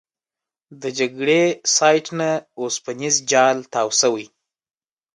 د جګړې سایټ نه اوسپنیز جال تاو شوی.